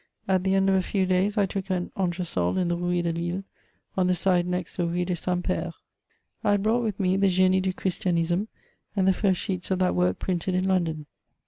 At the end of a few days I took an entresol in the rue de LiUe, on the side next the rue des SaintS'Pires. I had brought with me the Genie du ChrisHanismey and the first sheets of that work printed in London.